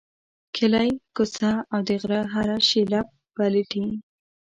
کلی، کوڅه او د غره هره شیله پلټي.